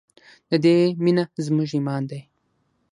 د دې مینه زموږ ایمان دی